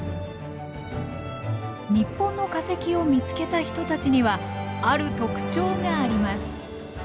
日本の化石を見つけた人たちにはある特徴があります。